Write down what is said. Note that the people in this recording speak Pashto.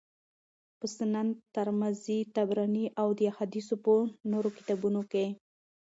په سنن ترمذي، طبراني او د احاديثو په نورو کتابونو کي